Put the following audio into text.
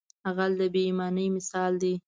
غل د بې ایمانۍ مثال دی